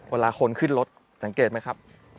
เวลาคนขึ้นรถสังเกตไหมครับ